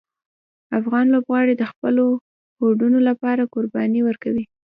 افغان لوبغاړي د خپلو هوډونو لپاره قربانۍ ورکوي.